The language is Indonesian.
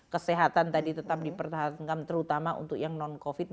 kesehatan tadi tetap dipertahankan terutama untuk yang non covid